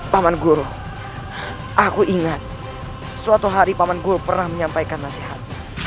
paman guru aku ingat suatu hari paman guru pernah menyampaikan nasihatnya